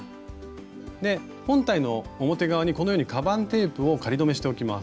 本体の表側にこのようにかばんテープを仮留めしておきます。